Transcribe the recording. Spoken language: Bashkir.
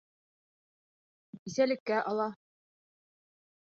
Бисәлеккә ала.